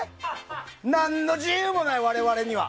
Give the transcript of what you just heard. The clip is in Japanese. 何の自由もない、我々には。